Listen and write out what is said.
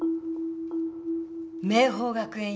明峰学園